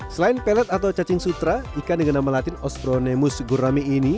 selain pelet atau cacing sutra ikan dengan nama latin ospronemus gurame ini